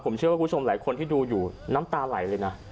ผมเชื่อว่าคุณผู้ชมหลายคนที่ดูอยู่น้ำตาไหลเลยนะ